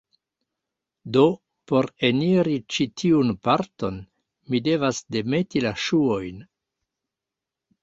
Do, por eniri ĉi tiun parton, mi devas demeti la ŝuojn